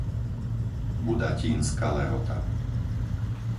Budatínska Lehota